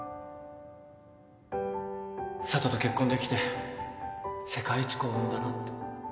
佐都と結婚できて世界一幸運だなって